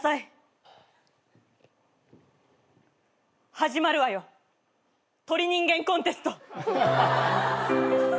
始まるわよ鳥人間コンテスト。